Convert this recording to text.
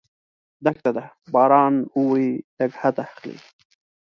دښته ده ، باران اوري، نګهت اخلي